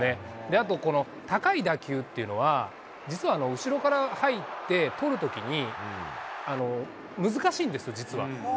あと、高い打球っていうのは、実は後ろから入って捕るときに、難しいんですよ、実は。